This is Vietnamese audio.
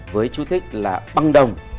với chú thích là băng đồng